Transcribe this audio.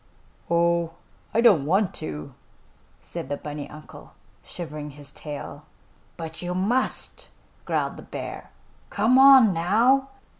"Oh, I don't want to," said the bunny uncle, shivering his tail. "But you must!" growled the bear. "Come on, now!"